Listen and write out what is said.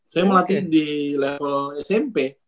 saya melatih di level smp